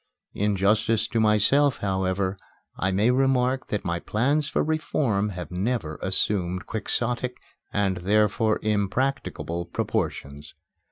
In justice to myself, however, I may remark that my plans for reform have never assumed quixotic, and therefore, impracticable proportions.